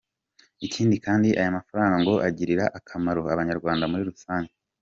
Ikindi kandi aya mafaranga ngo agirira akamaro Abanyarwanda muri rusange.